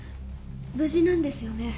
無事なんですよね？